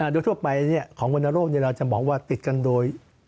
โดยทั่วไปของวรรณโรคเราจะบอกว่าติดกันโดย